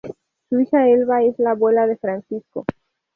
Su hija Elba es la abuela de Francisco.